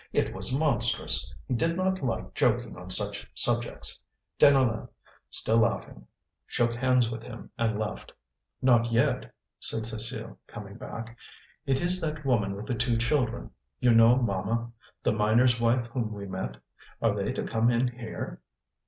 It was monstrous; he did not like joking on such subjects. Deneulin, still laughing, shook hands with him and left. "Not yet," said Cécile, coming back. "It is that woman with the two children. You know, mamma, the miner's wife whom we met. Are they to come in here?"